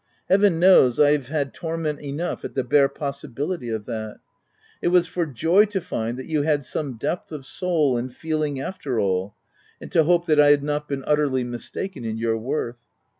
— Heaven knows I have had torment enough at the bare possibility of that !— it was for joy to find that you had some depth of soul and feel ing after all, and to hope that I had not been utterly mistaken in your worth.